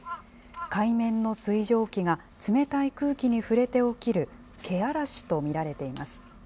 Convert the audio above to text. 海面の水蒸気が冷たい空気に触れて起きる、けあらしと見られています。